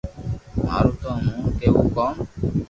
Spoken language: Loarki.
مارو ٿو مون ڪيوہ ڪوم